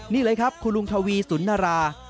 นี่เลยครับคุณลุงทวีสุนนารา